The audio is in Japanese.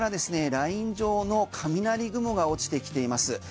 ライン状の雷雲が落ちてきています。